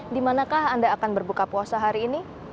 di manakah anda akan berbuka puasa hari ini